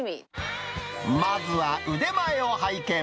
まずは腕前を拝見。